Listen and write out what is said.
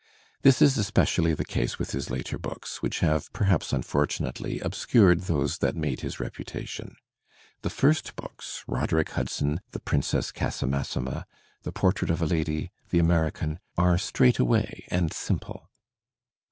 This is especially the case with his later books, which have» perhaps unfortunately, obscured those that made his repu tation. The first books, "Roderick Hudson," "The Princess Casamassima," "The Portrait of a Lady," "The American," are straightaway and simple.